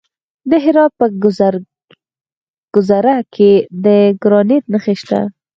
د هرات په ګذره کې د ګرانیټ نښې شته.